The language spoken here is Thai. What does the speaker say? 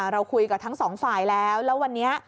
เราคุยกับทั้งสองฝ่ายแล้วแล้ววันนี้